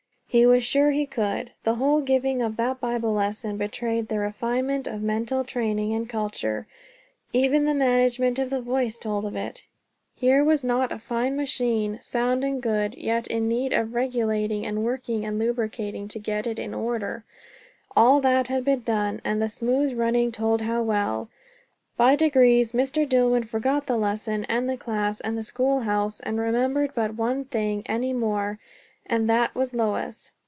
He was sure he could. The whole giving of that Bible lesson betrayed the refinement of mental training and culture; even the management of the voice told of it. Here was not a fine machine, sound and good, yet in need of regulating, and working, and lubricating to get it in order; all that had been done, and the smooth running told how well. By degrees Mr. Dillwyn forgot the lesson, and the class, and the schoolhouse, and remembered but one thing any more; and that was Lois.